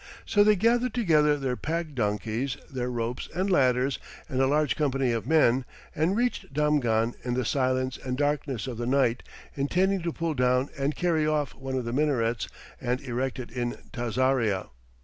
So they gathered together their pack donkeys, their ropes and ladders, and a large company of men, and reached Damghan in the silence and darkness of the night, intending to pull down and carry off one of the minarets and erect it in Tazaria.